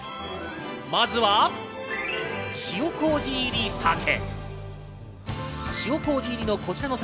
まずは、塩麹入り鮭。